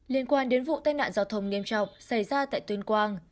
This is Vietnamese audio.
liên quan đến vụ tai nạn giao thông nghiêm trọng xảy ra tại tuyên quang